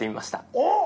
おっ！